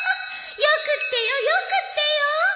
よくってよよくってよ。